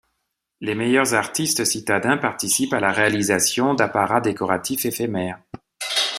Les meilleurs artistes citadins participent à la réalisation d’apparats décoratifs éphémères.